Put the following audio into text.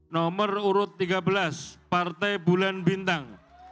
nomor urut tiga belas partai bulan bintang